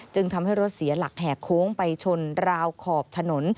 ทำให้รถเสียหลักแห่โค้งไปชนราวขอบถนน